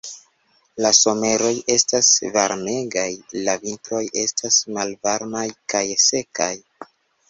La someroj estas varmegaj, la vintroj estas malvarmaj kaj sekaj.